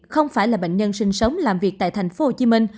không phải là bệnh nhân sinh sống làm việc tại tp hcm